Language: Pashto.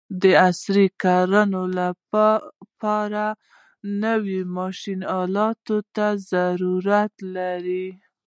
د عصري کرانې لپاره نوي ماشین الاتو ته ضرورت لري.